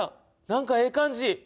何かええ感じ。